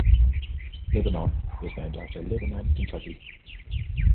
Lebanon is named after Lebanon, Kentucky.